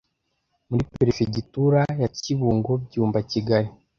muri perefegitura ya Kibungo Byumba Kigari